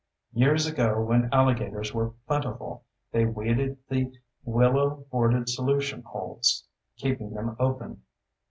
Years ago, when alligators were plentiful, they weeded the willow bordered solution holes, keeping them open.